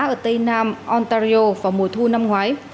ở tây nam ontario vào mùa thu năm ngoái